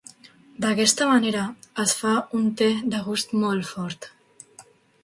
D'aquesta manera es fa un te de gust molt fort.